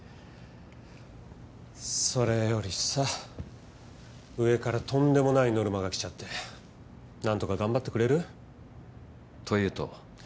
それよりさ上からとんでもないノルマが来ちゃって何とか頑張ってくれる？というと？